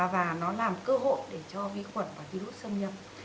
và nó làm cơ hội để cho vi khuẩn và vi khuẩn sâm nhâm